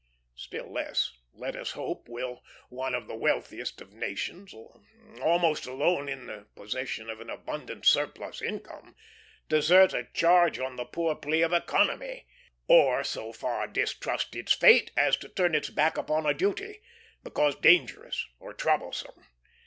Still less, let us hope, will one of the wealthiest of nations, almost alone in the possession of an abundant surplus income, desert a charge on the poor plea of economy; or so far distrust its fate, as to turn its back upon a duty, because dangerous or troublesome.